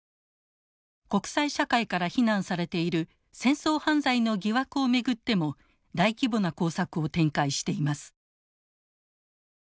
国際社会から非難されている戦争犯罪の疑惑を巡っても大規模な工作を展開しています。